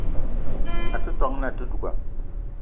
A te ton na àte duga